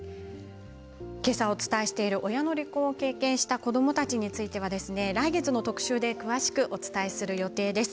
今朝お伝えしている親の離婚を経験した子どもたちについては来月の特集で詳しくお伝えする予定です。